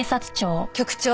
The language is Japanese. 局長。